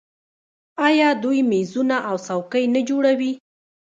آیا دوی میزونه او څوکۍ نه جوړوي؟